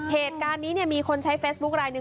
เหตุการณ์นี้เนี่ยมีคนใช้เฟซบุ๊คไลนึ